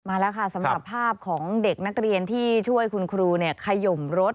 มาแล้วค่ะสำหรับภาพของเด็กนักเรียนที่ช่วยคุณครูขยมรถ